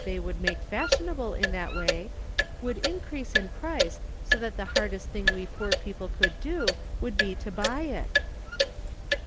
they would make fashionable in that way, would increase in price so that the hardest thing we poor people could do would be to buy it